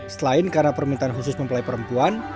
selain karena permintaan khusus mempelai perempuan